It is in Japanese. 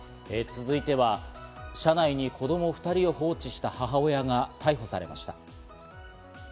続いては、車内に子供２人を放置した母親が逮捕されました。